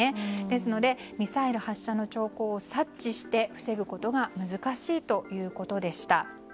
ですのでミサイル発射の兆候を察知して防ぐことが難しいということでした。